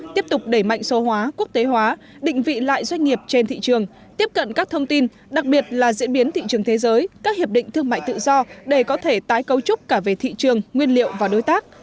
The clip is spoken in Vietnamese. tiếp tục đẩy mạnh số hóa quốc tế hóa định vị lại doanh nghiệp trên thị trường tiếp cận các thông tin đặc biệt là diễn biến thị trường thế giới các hiệp định thương mại tự do để có thể tái cấu trúc cả về thị trường nguyên liệu và đối tác